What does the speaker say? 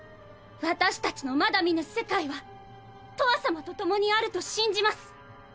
私達の未だ見ぬ世界はとわさまと共にあると信じます。